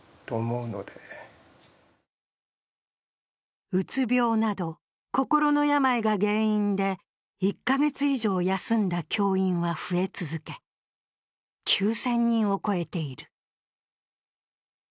それでもうつ病など心の病が原因で１カ月以上休んだ教員は増え続け、９０００人を超えている。